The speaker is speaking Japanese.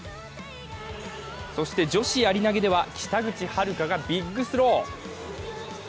女子やり投げでは、北口榛花がビッグスロー。